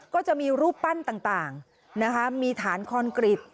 ก็จะมีรูปปั้นต่างนะคะมีฐานคอนกรีต